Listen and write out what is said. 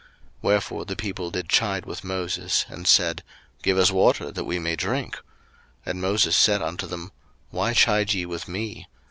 02:017:002 Wherefore the people did chide with Moses, and said, Give us water that we may drink. And Moses said unto them, Why chide ye with me?